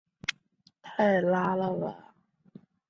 授签书建康军节度判官。